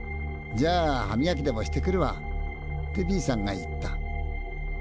じゃあ歯みがきでもしてくるわ」ってＢさんが言った。